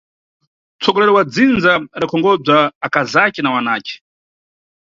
Mtsogoleri wa dzinza adakonkhobza akazace na wana wace.